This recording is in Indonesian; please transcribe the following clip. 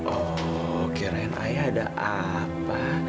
oh kira kira ayah ada apa